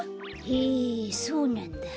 へえそうなんだ。